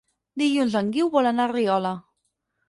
Dilluns en Guiu vol anar a Riola.